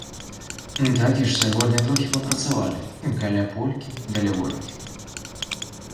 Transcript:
Такі ж сягоння трохі папрацавалі каля полькі да лявоніхі.